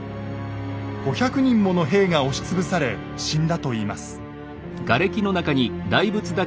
五百人もの兵が押し潰され死んだといいます。